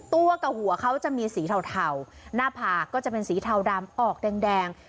ตัวกับหัวเขาจะมีสีเทาหน้าผากก็จะเป็นสีเทาดำออกแดง